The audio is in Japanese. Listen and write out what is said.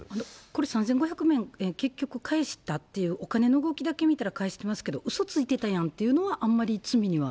これ、３５００万円、結局返したっていうお金の動きだけ見たら返せますけど、うそついてたやんっていうのは、あんまり罪には？